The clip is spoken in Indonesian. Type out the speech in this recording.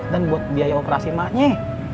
dan buat biaya operasi maknya